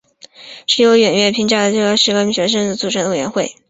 是由远月内评价最高的十名学生所组成的委员会。